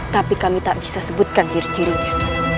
tapi kami tak bisa sebutkan ciri cirinya